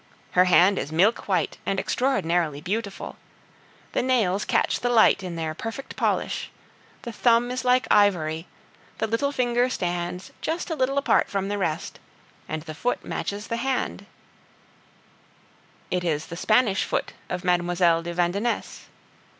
Her hand is milk white and extraordinarily beautiful; the nails catch the light in their perfect polish, the thumb is like ivory, the little finger stands just a little apart from the rest, and the foot matches the hand; it is the Spanish foot of Mlle. de Vandenesse.